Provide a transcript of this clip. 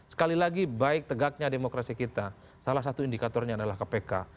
sekali lagi baik tegaknya demokrasi kita salah satu indikatornya adalah kpk